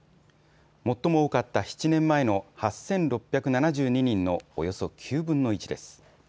最も多かった７年前の８６７２人のおよそ９分の１です。